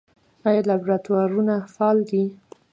آیا لابراتوارونه فعال دي؟